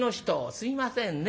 すいませんね。